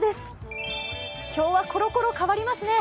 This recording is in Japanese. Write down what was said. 今日はコロコロ変わりますね。